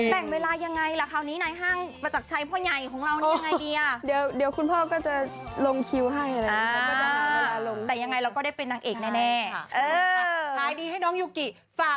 แบ่งเวลายังไงละคร้าวนี้นายห้างกว่าจักรไชยก็มาให้เราเสียยังไงเดียว